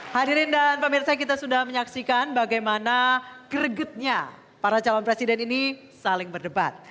hadirin dan pemirsa kita sudah menyaksikan bagaimana kregetnya para calon presiden ini saling berdebat